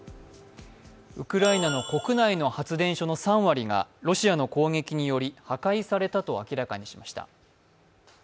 ウクライナの国内の発電所の３割がロシアの攻撃により破壊されたと明らかにしました。